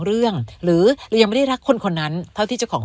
หรือเรายังไม่ได้รักคนคนนั้นเท่าที่เจ้าของ